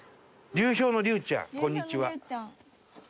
流氷の流ちゃんこんにちは。